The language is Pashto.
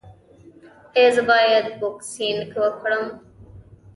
ایا زه باید بوکسینګ وکړم؟